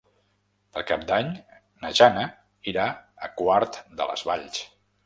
Per Cap d'Any na Jana irà a Quart de les Valls.